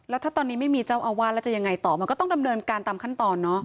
แล้วถ้าตอนนี้ไม่มีเจ้าอาวาสแล้วจะยังไงต่อมันก็ต้องดำเนินการตามขั้นตอนเนอะ